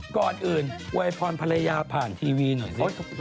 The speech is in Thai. ก่อนอื่นอวยพรภรรยาผ่านทีวีหน่อยสิ